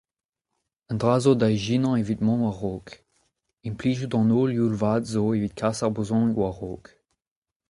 Un dra a zo da ijinañ evit mont war-raok : implijout an holl youl vat zo evit kas ar brezhoneg war-raok.